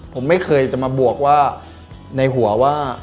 ผมไม่เคยจะมาบวกว่าในหัวว่า